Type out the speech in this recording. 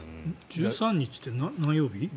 １３日って何曜日？